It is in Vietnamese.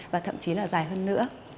và thậm chí là dài hơn nữa